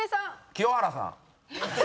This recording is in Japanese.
清原さん。